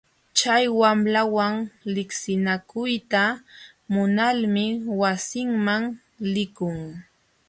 Chay wamlawan liqsinakuyta munalmi wasinman likun.